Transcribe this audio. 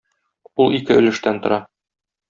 Ул ике өлештән тора.